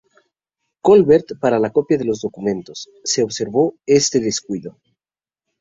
Colbert para la copia de los documentos, se observó este descuido.